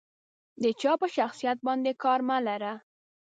د جا په شخصيت باندې کار مه لره.